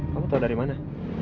kamu tau dari mana